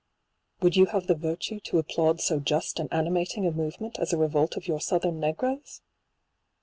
Would you have the virtue to ap plaud so just and animating a movement as a revolt of your southern negroes